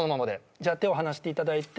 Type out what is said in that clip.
じゃあ手を離していただいて。